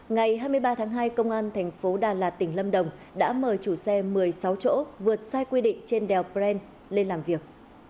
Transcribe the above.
ngày hai mươi ba tháng hai công an thành phố đà lạt tỉnh lâm đồng đã mời chủ xe một mươi sáu chỗ vượt sai quy định trên đèo brent lên làm việc